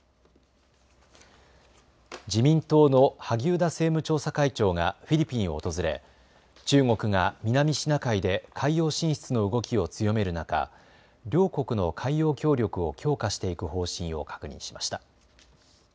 自民党の萩生田政務調査会長がフィリピンを訪れ、中国が南シナ海で海洋進出の動きを強める中、両国の海洋協力を強化していく方針を確認しました。